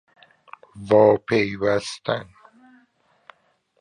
واپیوستن